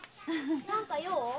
何か用？